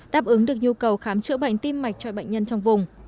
đáp ứng được nhu cầu khám chữa bệnh tim mạch cho bệnh nhân trong vùng